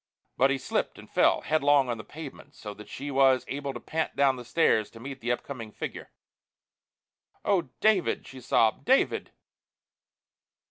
But he slipped and fell headlong on the pavement, so that she was able to pant down the stairs to meet the upcoming figure. "Oh, David," she sobbed, "David!"